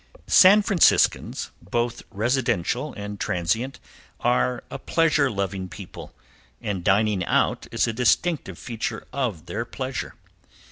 San Franciscans, both residential and transient, are a pleasure loving people, and dining out is a distinctive feature of their pleasure.